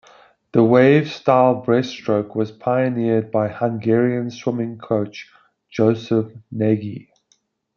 The wave-style breaststroke was pioneered by Hungarian Swimming Coach Joseph Nagy.